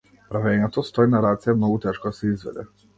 Правењето стој на раце е многу тешко да се изведе.